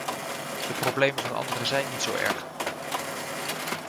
De problemen van de anderen zijn niet zo erg.